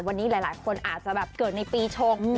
วันนี้หลายคนอาจจะแบบเกิดในปีชง